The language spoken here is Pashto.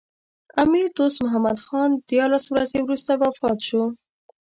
امیر دوست محمد خان دیارلس ورځې وروسته وفات شو.